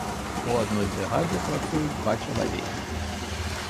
У адной брыгадзе працуюць два чалавекі.